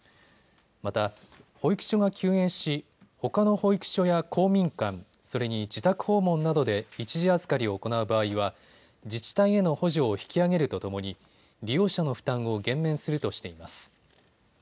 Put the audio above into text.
また保育所が休園しほかの保育所や公民館、それに自宅訪問などで一時預かりを行う場合は自治体への補助を引き上げるとともに利用者の負担を減免するとしています。